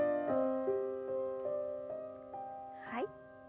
はい。